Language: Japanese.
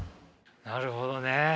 なるほどね。